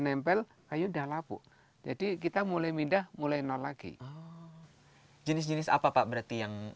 nempel kayu udah lapuk jadi kita mulai mindah mulai nol lagi jenis jenis apa pak berarti yang